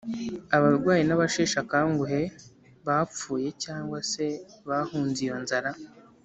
abarwayi n’abasheshe akanguhe bapfuye cyangwa se bahunze iyo nzara